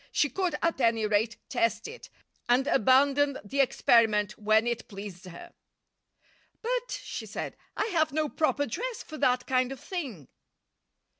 She could, at any rate, test it, and abandon the experiment when it pleased her. "But," she said, "I have no proper dress for that kind of thing."